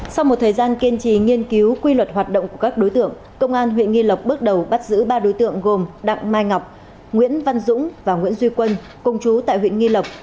sau một thời gian kiên trì nghiên cứu quy luật hoạt động của các đối tượng công an huyện nghi lộc bước đầu bắt giữ ba đối tượng gồm đặng mai ngọc nguyễn văn dũng và nguyễn duy quân công chú tại huyện nghi lộc